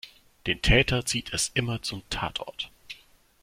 Den Täter zieht es immer zum Tatort.